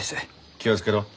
気を付けろ。